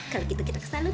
kalau gitu kita kesal dulu